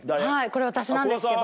これ私なんですけど。